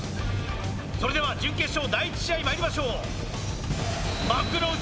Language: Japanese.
それでは準決勝第１試合まいりましょう幕内